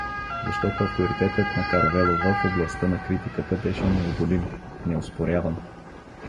Защото авторитетът на Каравелова в областта на критиката беше неодолим, неоспоряван.